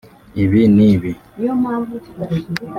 ibi n’ibi